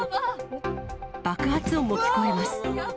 爆発音も聞こえます。